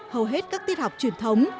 hầu hết các tiết học truyền thống